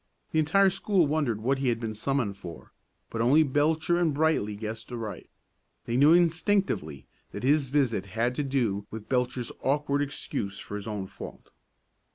The entire school wondered what he had been summoned for, but only Belcher and Brightly guessed aright. They knew instinctively that his visit had to do with Belcher's awkward excuse for his own fault.